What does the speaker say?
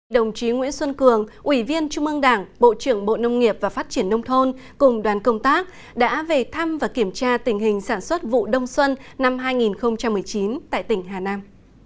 đồng chí nguyễn xuân cường ủy viên trung ương đảng bộ trưởng bộ nông nghiệp và phát triển nông thôn cùng đoàn công tác đã về thăm và kiểm tra tình hình sản xuất vụ đông xuân năm hai nghìn một mươi chín tại tỉnh hà nam